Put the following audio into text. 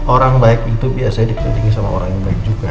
orang baik itu biasanya dipenting sama orang yang baik juga